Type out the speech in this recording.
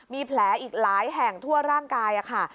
มีแผลอีกหลายแห่งทั่วร่างกายค่ะ